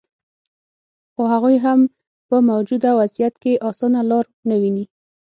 خو هغوي هم په موجوده وضعیت کې اسانه لار نه ویني